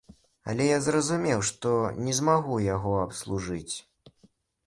Але я зразумеў, што не змагу яго абслужыць.